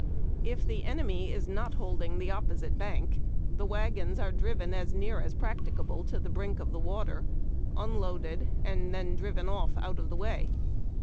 If the enemy is not holding the opposite bank, the wagons are driven as near as practicable to tlie brink of the water, unloaded, and driven off out of the yvay.